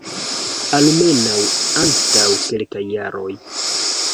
Almenaŭ antaŭ kelkaj jaroj!